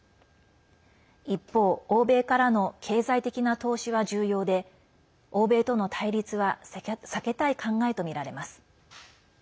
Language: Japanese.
一方、欧米からの経済的な投資は重要で欧米との対立は避けたい考えとみられます。